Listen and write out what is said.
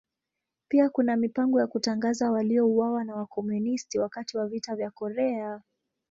Pia kuna mipango ya kutangaza waliouawa na Wakomunisti wakati wa Vita vya Korea.